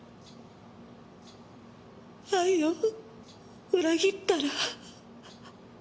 愛を裏切ったら。